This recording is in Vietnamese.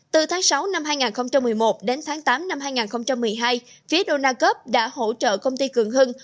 từ tháng sáu năm hai nghìn một mươi một đến tháng tám năm hai nghìn một mươi hai phía đô na cóc đã hỗ trợ công ty cường hưng